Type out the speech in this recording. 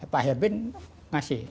pak herbin ngasih